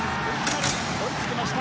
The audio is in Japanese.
追い付きました